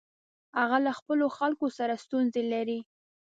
هغه له خپلو خلکو سره ستونزې لري.